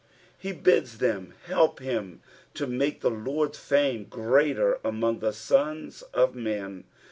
Uu bids them help him to make the Lord's fame greater among the sons of men.